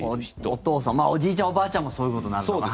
お父さんおじいちゃん、おばあちゃんもそういうことになるのかな。